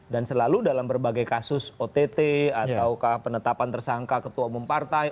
dan selalu dalam berbagai kasus ott atau penetapan tersangka ketua umum partai